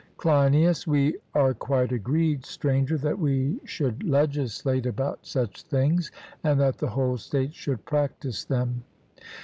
CLEINIAS: We are quite agreed, Stranger, that we should legislate about such things, and that the whole state should practise them.